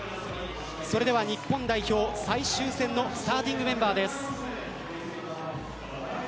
それでは日本代表最終戦のスターティングメンバーです。